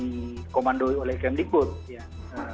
tidak dikomandoi oleh kmd code